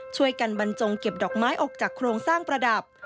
ช่วยกันบรรจงเก็บดอกไม้ออกจากโครงสร้างประดับ